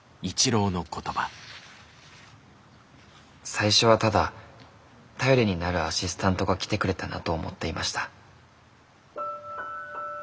「最初はただ頼りになるアシスタントが来てくれたなと思っていました」。